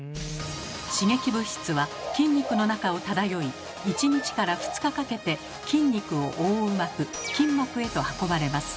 刺激物質は筋肉の中を漂い１日から２日かけて筋肉を覆う膜筋膜へと運ばれます。